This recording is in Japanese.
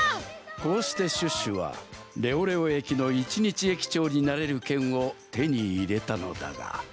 こうしてシュッシュはレオレオ駅の一日駅長になれるけんをてにいれたのだが。